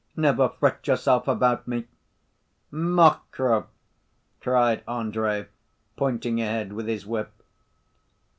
never fret yourself about me!' " "Mokroe!" cried Andrey, pointing ahead with his whip.